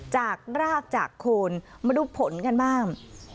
จากรากจากโคนมาดูผลกันบ้าง